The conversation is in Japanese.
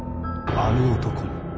あの男に。